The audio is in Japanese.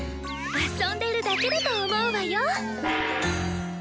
遊んでるだけだと思うわよ。